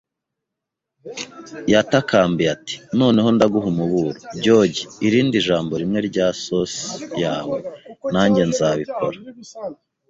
Yatakambiye ati: “Noneho ndaguha umuburo, George. “Irindi jambo rimwe rya sosi yawe, nanjye nzabikora